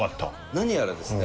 何やらですね